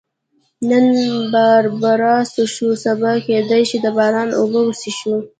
نن باربرا څښو، سبا کېدای شي د باران اوبه وڅښو.